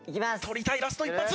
取りたいラスト１発！